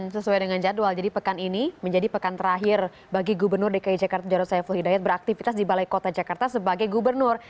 sesuai dengan jadwal jadi pekan ini menjadi pekan terakhir bagi gubernur dki jakarta jarod saiful hidayat beraktivitas di balai kota jakarta sebagai gubernur